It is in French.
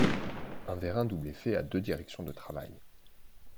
Un vérin double effet a deux directions de travail.